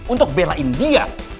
untuk belain dia